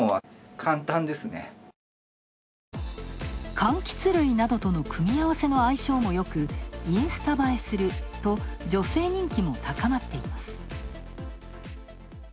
柑橘類などとの組み合わせの相性もよくインスタ映えすると女性人気も高まっています。